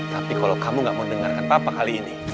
tapi kalau kamu gak mau dengarkan apa kali ini